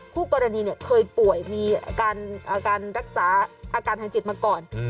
คู่กรณีเคยป่วยมีอาการรักษาอาการทางจิตมาก่อน